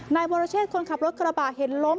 นายวรเชษคนขับรถกระบะเห็นล้ม